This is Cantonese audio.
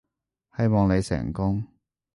希望你成功